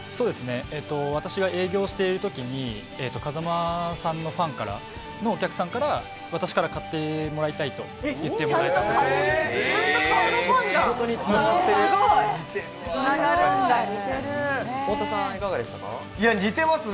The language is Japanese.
私が営業していたときに風間さんのファンのお客さんから、私から買ってもらいたいと言ってもらえたことですね。